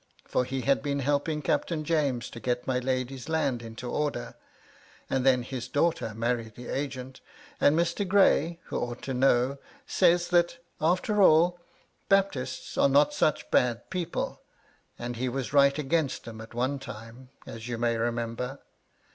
For he has VOL. I. Q 338 MY LADY LUDLOW. * been helping Captain James to get my lady's land * into order ; and then his daughter married the agent ;* and Mr. Gray (who ought to know) says, after all, ' Baptists are not such bad people ; and he was right 'agidnst them at one time, as you may remember.